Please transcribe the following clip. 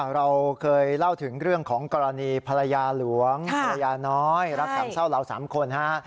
เราเคยเล่าถึงเรื่องของกรณีภรรยาหลวงภรรยาน้อยรักสามเศร้าเราสามคนฮะ